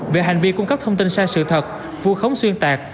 về hành vi cung cấp thông tin sai sự thật vu khống xuyên tạc